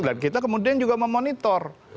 kita kemudian juga memonitor